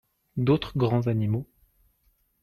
D'autres grands animaux.